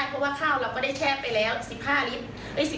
เพราะว่าข้าวเราก็ได้แค่ไปแล้วสิบห้าลิฟท์